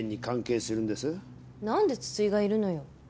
何で津々井がいるのよ。